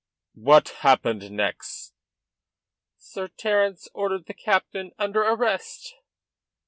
"What happened next?" "Sir Terence ordered the captain under arrest."